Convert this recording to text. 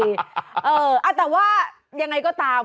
เออเอ้าแต่ว่ายังไงก็ตาม